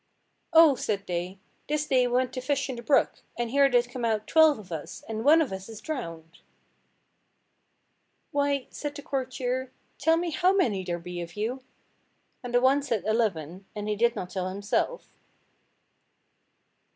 "Oh!" said they, "this day we went to fish in the brook, and here did come out twelve of us, and one of us is drowned." "Why," said the courtier, "tell how many there be of you," and the one said eleven, and he did not tell himself.